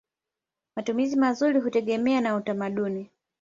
Matumizi mazuri hutegemea na utamaduni.